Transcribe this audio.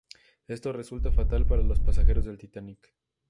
Esto resultó fatal para los pasajeros del "Titanic".